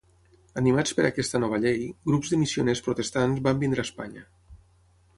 Animats per aquesta nova llei, grups de missioners protestants van venir a Espanya.